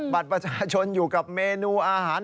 บัตรประชาชนอยู่กับเมนูอาหาร